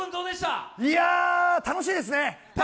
いやあ、楽しいですね。